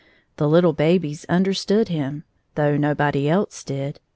The little babies understood him, though nobody else did.